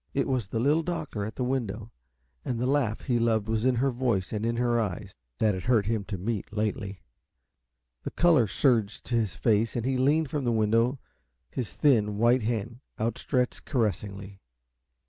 It was the Little Doctor at the window, and the laugh he loved was in her voice and in her eyes, that it hurt him to meet, lately. The color surged to his face, and he leaned from the window, his thin, white hand outstretched caressingly.